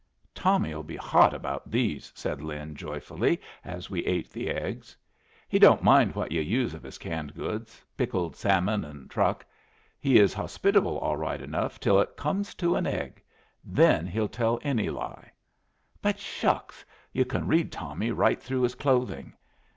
"Tommy'll be hot about these," said Lin, joyfully, as we ate the eggs. "He don't mind what yu' use of his canned goods pickled salmon and truck. He is hospitable all right enough till it comes to an egg. Then he'll tell any lie. But shucks! Yu' can read Tommy right through his clothing.